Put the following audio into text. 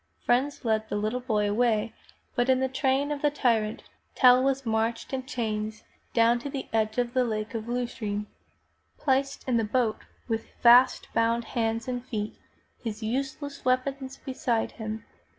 Friends led the little boy away, but in the train of the tyrant. Tell was marched in chains down to the edge of the Lake of Lucerne. Placed in the boat with fast bound hands and feet, his useless weapons beside him.